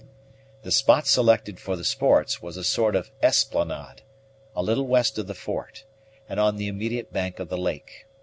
The spot selected for the sports was a sort of esplanade, a little west of the fort, and on the immediate bank of the lake.